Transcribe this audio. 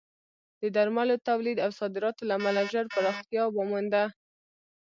د درملو تولید او صادراتو له امله ژر پراختیا ومونده.